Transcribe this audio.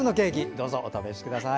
どうぞお試しください。